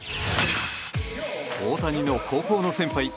大谷野高校の先輩